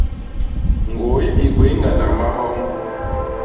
Ñgôy i gwéé ñgandak mahoñ.